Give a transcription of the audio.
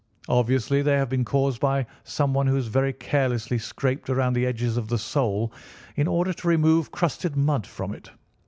Obviously they have been caused by someone who has very carelessly scraped round the edges of the sole in order to remove crusted mud from it.